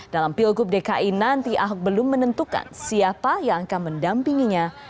dalam pilgub dki nanti ahok belum menentukan siapa yang akan mendampinginya